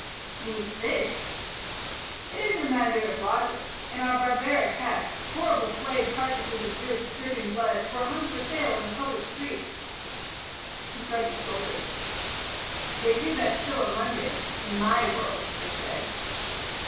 "You eat fish." "It isn't a matter of logic. In our barbaric past horrible flayed carcases of brutes dripping blood, were hung for sale in the public streets." He shrugged his shoulders. "They do that still in London in my world," I said.